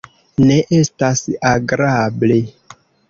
Ne estas agrable!